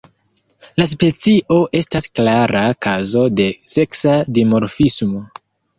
La specio estas klara kazo de seksa dimorfismo.